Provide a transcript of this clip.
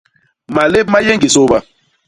Malép ma yé ñgi sôba.